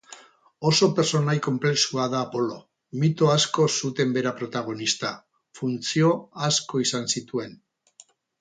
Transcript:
Oso pertsonai konplexua da Apolo, mito asko zuten bera protagonista, funtzio asko izan zituen